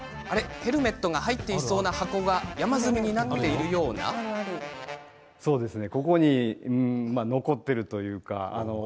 ヘルメットが入っていそうな箱が山積みになっているみたいですが。